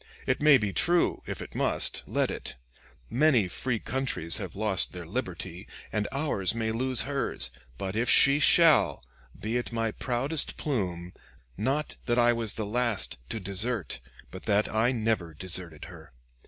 It may be true; if it must, let it. Many free countries have lost their liberty, and ours may lose hers; but if she shall, be it my proudest plume, not that I was the last to desert, but that I never deserted her.